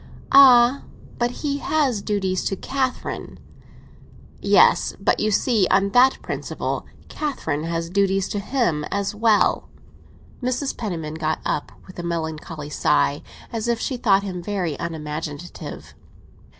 "Ah, but he has duties to Catherine." "Yes, but you see that on that principle Catherine has duties to him as well." Mrs. Penniman got up, with a melancholy sigh, as if she thought him very unimaginative.